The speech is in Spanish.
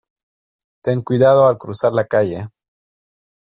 Ten cuidado al cruzar la calle.